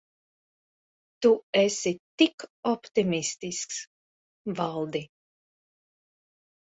Tu esi tik optimistisks, Valdi.